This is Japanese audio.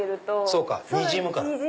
そうかにじむから。